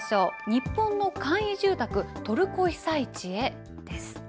日本の簡易住宅、トルコ被災地へです。